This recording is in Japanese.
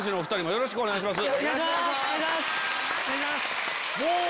よろしくお願いします。